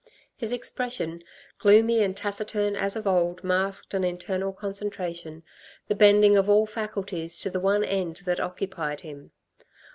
His expression, gloomy and taciturn as of old, masked an internal concentration, the bending of all faculties to the one end that occupied him.